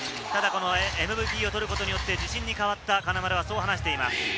ＭＶＰを取ることによって、自信に変わった、金丸はそう話していました。